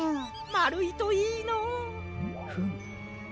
まるいといいのう。フム。